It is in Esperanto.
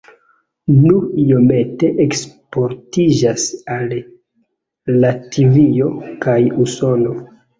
Nur iomete eksportiĝas al Latvio kaj Usono.